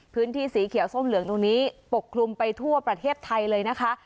พื้นที่สีเขียวส้มเหลืองตรงนี้ปกคลุมไปทั่วประเทศไทยเลยนะคะ